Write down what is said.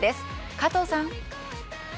加藤さん。